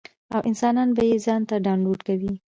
او انسان به ئې ځان ته ډاونلوډ کوي -